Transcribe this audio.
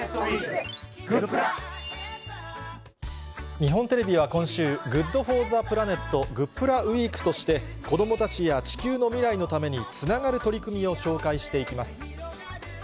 日本テレビはＧｏｏｄＦｏｒｔｈｅＰｌａｎｅｔ、グップラウィークとして子どもたちや地球の未来のためにつながる取り組みを紹介していきます。